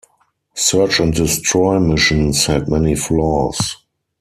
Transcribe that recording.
Search and destroy missions had many flaws.